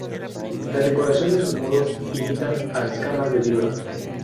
La decoración de sus muros imitan a escamas de víbora.